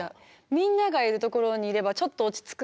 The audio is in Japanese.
みんながいるところにいればちょっと落ち着くかなって。